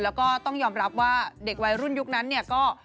แล้วก็ต้องยอมรับว่าเด็กวัยรุ่นยุคนั้นเนี่ยก็